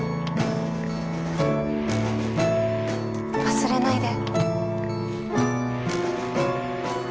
忘れないで。